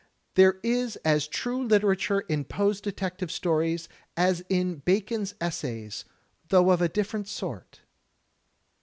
There is as true literature in Poe's detective stories as in Bacon's Essays, though of a different sort.